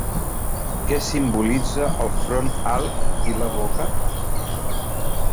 Què simbolitza el front alt i la boca?